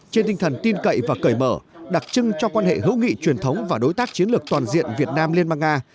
trên tinh thần tin cậy và cởi mở đặc trưng cho quan hệ hữu nghị truyền thống và đối tác chiến lược toàn diện việt nam liên bang nga